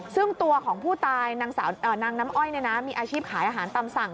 ซึ่งตัวของผู้ตายนางน้ำอ้อยมีอาชีพขายอาหารตามสั่ง